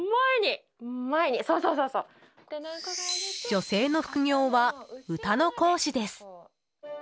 女性の副業は、歌の講師です。